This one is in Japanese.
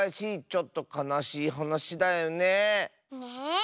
ちょっとかなしいはなしだよねえ。